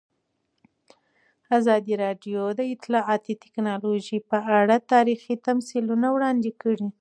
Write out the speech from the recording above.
ازادي راډیو د اطلاعاتی تکنالوژي په اړه تاریخي تمثیلونه وړاندې کړي.